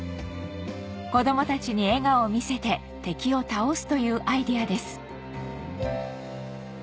子供たちに笑顔を見せて敵を倒すというアイデアです